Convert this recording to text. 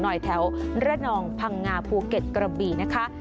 หน่อยแถวเร็ดนองพังงาภูเก็ตกระบีนะคะ